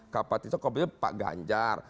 kapasitas kompetensi pak ganjar